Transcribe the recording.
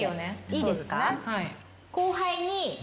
いいですか？